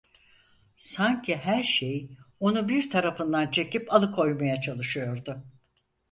Sanki her şey onu bir tarafından çekip alıkoymaya çalışıyordu.